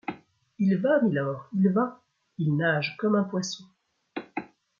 Il va, mylord ! il va ! il nage comme un poisson !